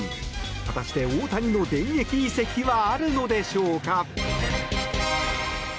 果たして大谷の電撃移籍はあるのでしょうか。